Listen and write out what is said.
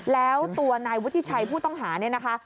แล้วตัวนายวุฒิชัยผู้ต้องหาเนี่ยนะคะ